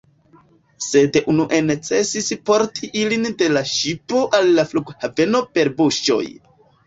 Sed unue necesis porti ilin de la ŝipo al la flughaveno per busoj.